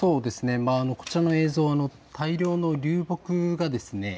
こちらの映像、大量の流木が。